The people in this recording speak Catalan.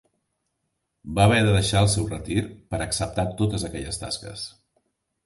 Va haver de deixar el seu retir per acceptar totes aquelles tasques.